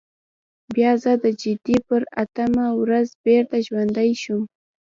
بیا زه د جدي پر اتمه ورځ بېرته ژوندی شوم.